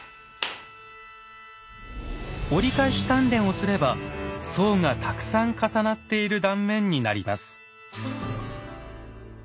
折り返し鍛錬をすれば層がたくさん重なっている断面になります。